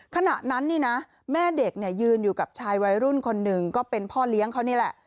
ขณะนั้นนี่นะแม่เด็กเนี่ยยืนอยู่กับชายวัยรุ่นคนหนึ่งก็เป็นพ่อเลี้ยงเขานี่แหละ